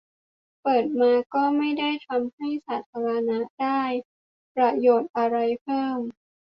- เปิดมาก็ไม่ได้ทำให้สาธารณะได้ประโยชน์อะไรเพิ่ม